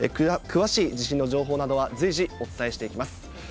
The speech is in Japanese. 詳しい地震の情報などは、随時、お伝えしていきます。